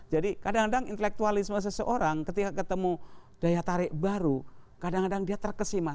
jadi kadang kadang intelektualisme seseorang ketika ketemu daya tarik baru kadang kadang dia terkesima